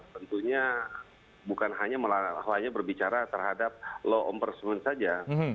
tentunya bukan hanya berbicara terhadap law enforcement saja